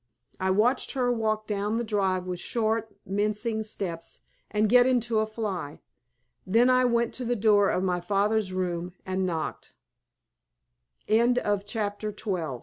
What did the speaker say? I watched her walk down the drive with short, mincing steps and get into a fly. Then I went to the door of my father's room and knocked. CHAPTER XIII FOR V